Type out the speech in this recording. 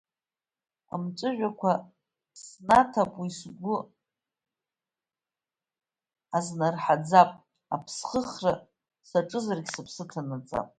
Амҵәыжәҩақәа снаҭап уи, сгәы азнарҳаӡап, аԥсхыхра саҿызаргьы сыԥсы ҭанаҵап.